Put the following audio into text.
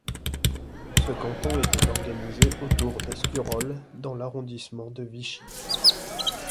Ce canton était organisé autour d'Escurolles dans l'arrondissement de Vichy.